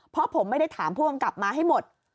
เพราะผมไม่ได้ถามผู้กำกับมาให้หมด